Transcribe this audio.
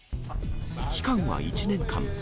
期間は１年間。